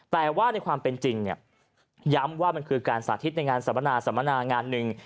แต่ว่าในความเป็นจริงเนี่ยย้ำว่ามันคือการสาธิตในงานสัมมนาสัมมนางานหนึ่ง